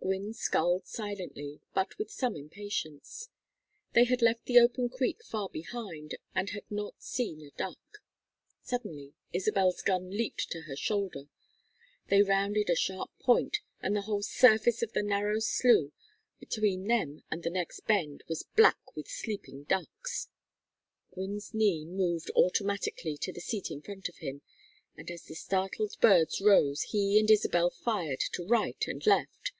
Gwynne sculled silently, but with some impatience. They had left the open creek far behind and had not seen a duck. Suddenly Isabel's gun leaped to her shoulder. They rounded a sharp point and the whole surface of the narrow slough between them and the next bend was black with sleeping ducks. Gwynne's knee moved automatically to the seat in front of him, and as the startled birds rose he and Isabel fired to right and left.